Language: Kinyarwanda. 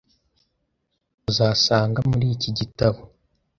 uzasanga muri iki gitabo